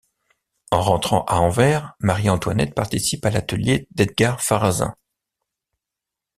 En rentrant à Anvers Marie Antoinette participe à l'atelier d'Edgard Farasyn.